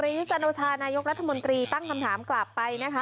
ด้านตัวเอกปริศจนโชภานายกรัฐมนตรีตั้งคำถามกลับไปนะคะ